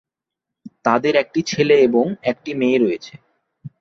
তাদের একটি ছেলে এবং একটি মেয়ে রয়েছে।